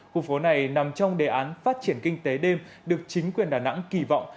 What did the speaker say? khu phố này nằm trong đề án phát triển kinh tế đêm được chính quyền đà nẵng kỳ vọng